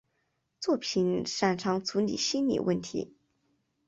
作品擅长处理心理问题。